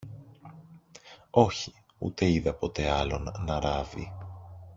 Όχι, ούτε είδα ποτέ άλλον να ράβει.